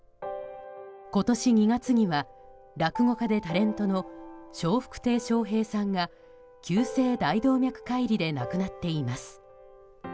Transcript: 今年２月には落語家でタレントの笑福亭笑瓶さんが急性大動脈解離で亡くなっています。